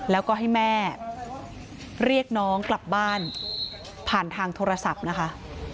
แล้วก็ให้แม่เรียกน้องกลับบ้านผ่านทางโทรศัพท์นะคะ